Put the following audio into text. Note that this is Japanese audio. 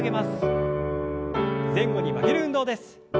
前後に曲げる運動です。